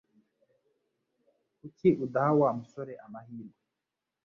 Kuki udaha Wa musore amahirwe